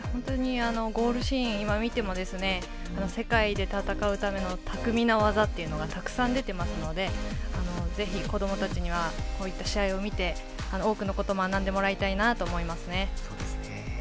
ゴールシーンを今見ても世界で戦うための巧みな技がたくさん出ていますのでぜひ、子どもたちにはこういった試合を見て多くのことを学んでもらいたいなと思いますね。